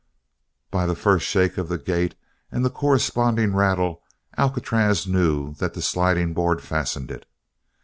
By the first shake of the gate and the corresponding rattle Alcatraz knew that the sliding board fastened it.